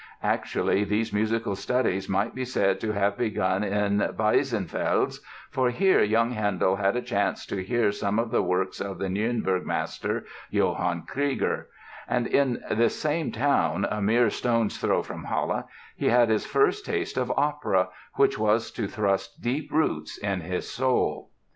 Actually, these musical studies might be said to have begun in Weissenfels, for here young Handel had a chance to hear some of the works of the Nürnberg master, Johann Krieger; and in this same town, a mere stone's throw from Halle, he had his first taste of opera, which was to thrust deep roots in his soul.